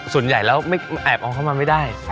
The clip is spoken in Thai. ส่วนใหญ่แล้วแอบเอาเข้ามาไม่ได้